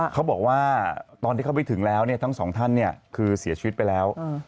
เขาบอกว่าตอนที่เขาไปถึงแล้วทั้งสองท่านคือเสียชีวิตไปแล้ว